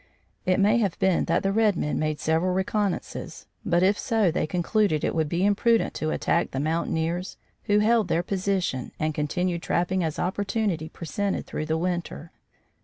It may have been that the red men made several reconnaissances, but, if so, they concluded it would be imprudent to attack the mountaineers who held their position and continued trapping as opportunity presented through the winter.